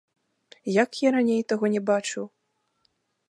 Як я раней таго не бачыў?